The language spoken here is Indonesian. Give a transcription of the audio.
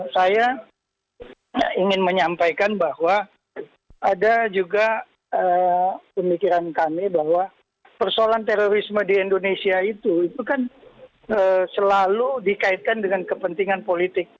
saya ingin menyampaikan bahwa ada juga pemikiran kami bahwa persoalan terorisme di indonesia itu itu kan selalu dikaitkan dengan kepentingan politik